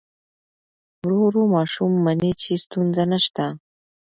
ورو ورو ماشوم مني چې ستونزه نشته.